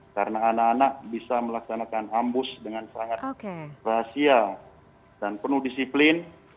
karena anak anak bisa melaksanakan ambus dengan sangat rahasia dan penuh disiplin